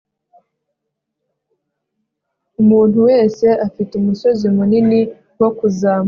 umuntu wese afite umusozi munini wo kuzamuka